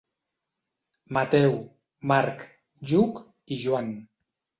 Mateu, Marc, Lluc i Joan.